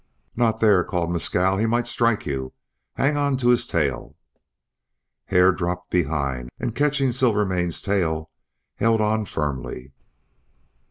"Not there!" called Mescal. "He might strike you. Hang to his tail!" Hare dropped behind, and catching Silvermane's tail held on firmly.